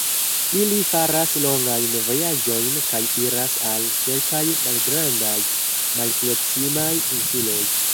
Ili faras longajn vojaĝojn kaj iras al kelkaj malgrandaj, malproksimaj insuloj.